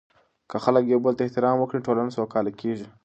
که خلک یو بل ته احترام ورکړي، ټولنه سوکاله کیږي.